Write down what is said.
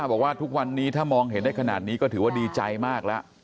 บอกว่าทุกวันนี้ถ้ามองเห็นได้ขนาดนี้ก็ถือว่าดีใจมากแล้ว